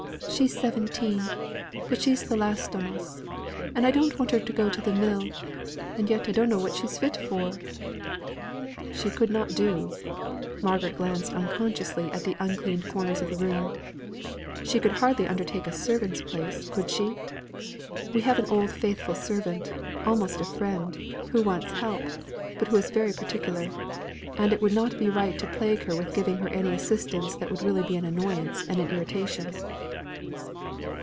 She's seventeen, but she's th' last on us. And I don't want her to go to th' mill, and yet I dunno what she's fit for." "She could not do" Margaret glanced unconsciously at the uncleaned corners of the room "She could hardly undertake a servant's place, could she? We have an old faithful servant, almost a friend, who wants help, but who is very particular; and it would not be right to plague her with giving her any assistance that would really be an annoyance and an irritation."